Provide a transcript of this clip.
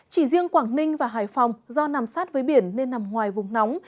chỉ riêng quảng ninh và hải phòng do nằm sát với biển nên nằm ngoài vùng nóng